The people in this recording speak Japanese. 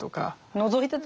のぞいてた？